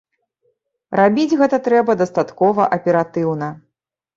Рабіць гэта трэба дастаткова аператыўна.